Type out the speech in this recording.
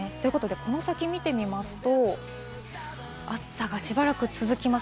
この先を見てみますと、暑さがしばらく続きます。